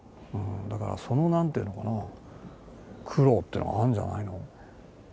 だからそのなんていうのかな苦労っていうのがあるんじゃないの？